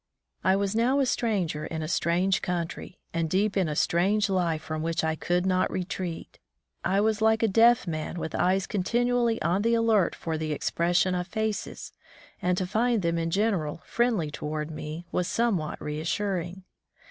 I was now a stranger in a strange country, and deep in a strange life from which I could not retreat. I was like a deaf man with eyes continually on the alert for the expres sion of faces, and to find them in general friendly toward me was somewhat reassuring.